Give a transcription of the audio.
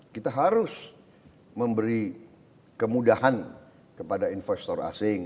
kita harus memberi kemudahan kepada investor asing